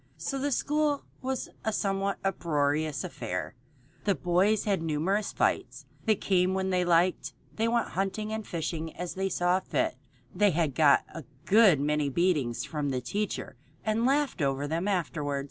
So the school was a somewhat uproarious affair. The boys had numerous fights. They came when they liked. They went hunting or fishing as they saw fit. They got a good many beatings from the teacher and laughed over them afterward.